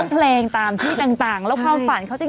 ร้องเพลงตามที่ต่างแล้วพรรพานเขาจะ